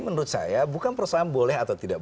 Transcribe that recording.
menurut saya bukan perusahaan boleh atau tidak